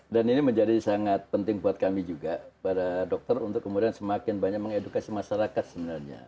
dan ini menjadi sangat penting buat kami juga para dokter untuk kemudian semakin banyak mengedukasi masyarakat sebenarnya